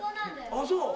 「あっそう」